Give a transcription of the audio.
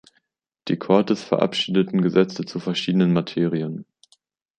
Die Cortes verabschiedeten Gesetze zu verschiedenen Materien.